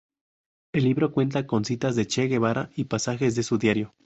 El libro cuenta con citas del Che Guevara y pasajes de su diario.